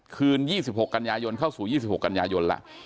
คืนยี่สิบหกกันยายนเข้าสู่ยี่สิบหกกันยายนล่ะ